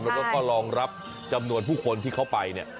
แล้วก็รองรับจำนวนผู้คนที่เข้าไปเนี่ย